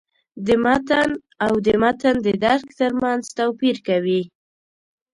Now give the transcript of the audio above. د «متن» او «د متن د درک» تر منځ توپیر کوي.